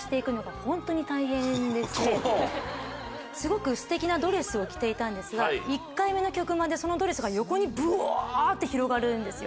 すごくステキなドレスを着ていたんですが１回目の曲間でそのドレスが横にぶわって広がるんですよ。